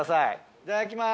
いただきます。